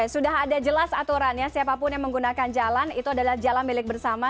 sudah ada jelas aturan ya siapapun yang menggunakan jalan itu adalah jalan milik bersama